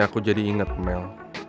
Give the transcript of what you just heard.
aku jadi inget mel